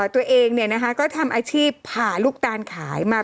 ตัวเองเนี่ยนะฮะก็ทำอาชีพผ่ำลูกตาลขายมา